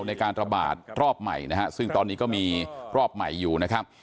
ในการระบาดรอบใหม่นะฮะซึ่งตอนนี้ก็มีรอบใหม่อยู่นะครับ